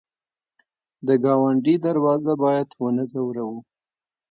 د ګاونډي دروازه باید ونه ځوروو